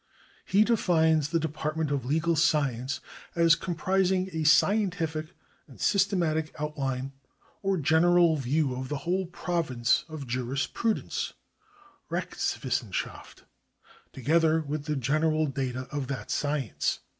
He defines this department of legal science as comprising " a scientific and systematic outline or general view of the whole province of jurisprudence (Rechts wissenschaft), together with the general data of that science."